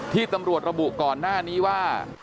ที่ตำรวจระบุก่อนหน้านี้ว่า